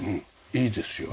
いいですよね。